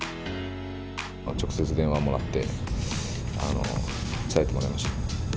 直接電話もらって、伝えてもらいました。